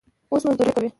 اوس مزدوري کوي.